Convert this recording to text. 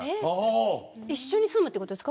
一緒に住むってことですか。